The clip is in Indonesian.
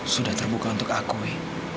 sudah terbuka untuk aku wi